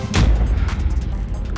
lo masih belum berubah ya riz